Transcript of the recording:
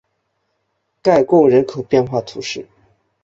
盖贡人口变化图示